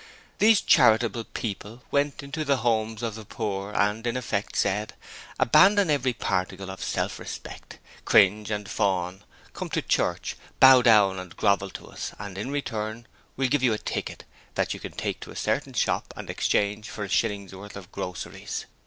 These 'charitable' people went into the wretched homes of the poor and in effect said: 'Abandon every particle of self respect: cringe and fawn: come to church: bow down and grovel to us, and in return we'll give you a ticket that you can take to a certain shop and exchange for a shillingsworth of groceries.